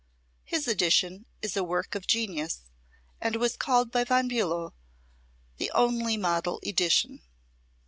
His edition is a work of genius and was called by Von Bulow "the only model edition."